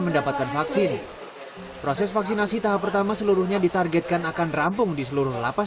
mendapatkan vaksin proses vaksinasi tahap pertama seluruhnya ditargetkan akan rampung di seluruh lapas